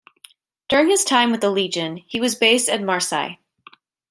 During his time with the Legion, he was based at Marseille.